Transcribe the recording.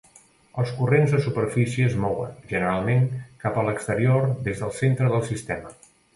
Els corrents de superfície es mouen, generalment, cap a l'exterior des del centre del sistema.